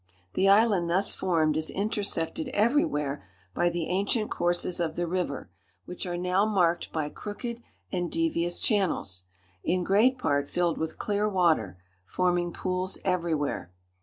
The island thus formed is intersected everywhere by the ancient courses of the river, which are now marked by crooked and devious channels, in great part filled with clear water, forming pools everywhere.